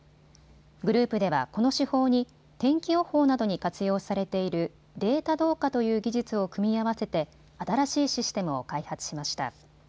グループではこの手法に天気予報などに活用されているデータ同化という技術を組み合わせて新しいシステムを開発しました。